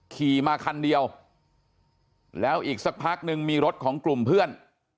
ขี่มาคันเดียวแล้วอีกสักพักนึงมีรถของกลุ่มเพื่อน